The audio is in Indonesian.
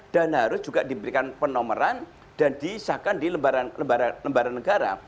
dan harus juga diberikan penomeran dan diisahkan di lembaran negara